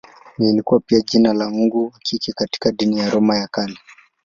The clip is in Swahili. Lilikuwa pia jina la mungu wa kike katika dini ya Roma ya Kale.